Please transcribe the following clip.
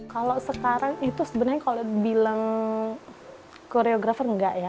kalau sekarang itu sebenarnya kalau dibilang koreografer nggak ya